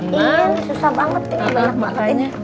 ini susah banget ini balok baloknya